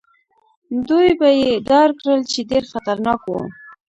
دوی به يې ډار کړل، چې ډېر خطرناک وو.